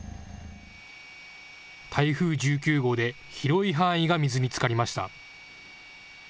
台風１９号で広い範囲が水につかりました。